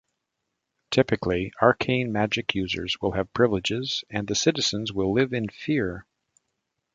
Typically, arcane magic users will have privileges, and the citizens will live in fear.